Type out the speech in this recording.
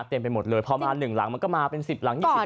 เต็มไปหมดเลยเพราะมา๑หลังมันก็มาเป็น๑๐หลัง๒๐หลัง